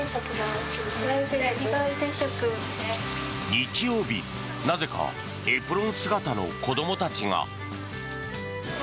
日曜日、なぜかエプロン姿の子どもたちが。